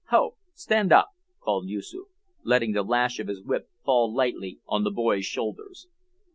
Ho! stand up," called Yoosoof, letting the lash of his whip fall lightly on the boy's shoulders.